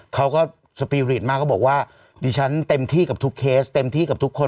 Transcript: สปีริตมากก็บอกว่าดิฉันเต็มที่กับทุกเคสเต็มที่กับทุกคน